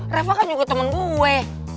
reva kan juga temen gue